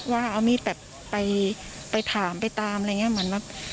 ว่าเอามีดแบบไปถามไปตามอะไรอย่างนี้